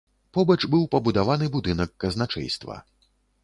Побач быў пабудаваны будынак казначэйства.